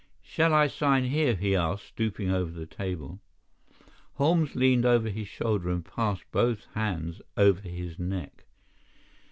"Shall I sign here?" he asked, stooping over the table. Holmes leaned over his shoulder and passed both hands over his neck.